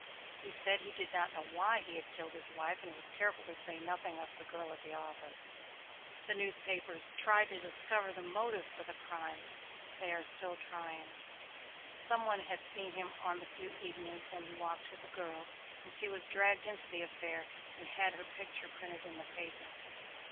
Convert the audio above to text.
He said he did not know why he had killed his wife and was careful to say nothing of the girl at the office. The newspapers tried to discover the motive for the crime. They are still trying. Some one had seen him on the few evenings when he walked with the girl and she was dragged into the affair and had her picture printed in the paper.